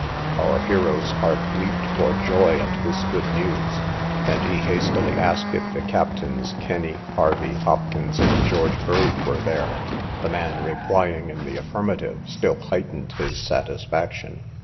Our hero's heart leaped for joy at this good news, and he hastily asked if the captains Kenny, Hervey, Hopkins, and George Bird were there; the man replying in the affirmative, still heightened his satisfaction.